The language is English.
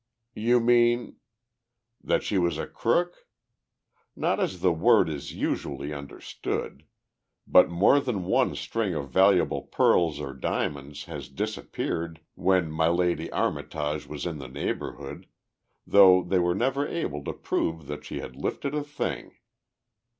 "You mean " "That she was a crook? Not as the word is usually understood. But more than one string of valuable pearls or diamonds has disappeared when milady Armitage was in the neighborhood though they were never able to prove that she had lifted a thing.